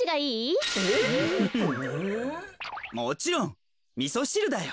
もちろんみそしるだよ。